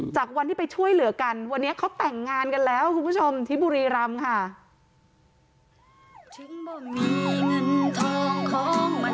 จากวันที่ไปช่วยเหลือกันวันนี้เขาแต่งงานกันแล้วคุณผู้ชมที่บุรีรำค่ะ